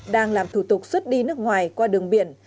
đang làm thủ tục xuất đi nước ngoài qua đường biển